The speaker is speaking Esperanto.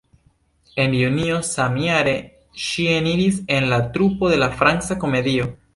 En junio samjare, ŝi eniris en la trupo de la Franca Komedio.